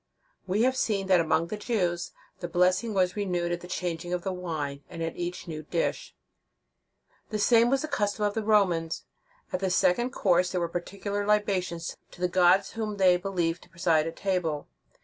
We have seen that among the Jews, the blessing was renewed at the changing of the wine, and at each new dish. The same was the custom of the Romans. At the second course there were particular libations to the gods whom they believed to preside at table.